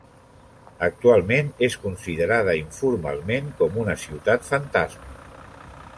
Actualment és considerada informalment com una ciutat fantasma.